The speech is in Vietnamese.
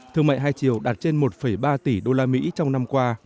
thương mại hai chiều đạt trên một ba tỷ usd trong năm qua